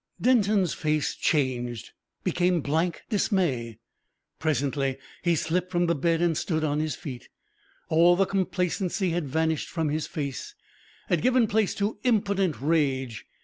Denton's face changed became blank dismay. Presently he slipped from the bed and stood on his feet. All the complacency had vanished from his face, had given place to impotent rage.